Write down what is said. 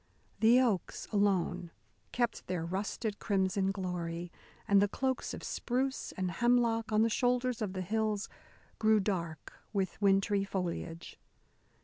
The oaks alone kept their rusted crimson glory, and the cloaks of spruce and hemlock on the shoulders of the hills grew dark with wintry foliage.